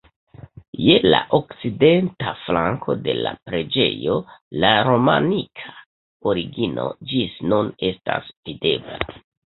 Je la okcidenta flanko de la preĝejo la romanika origino ĝis nun estas videbla.